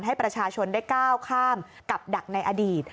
ให้ประชาชนได้ก้าวข้ามกับดักในอดีต